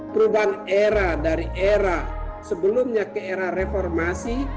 perubahan era dari era sebelumnya ke era reformasi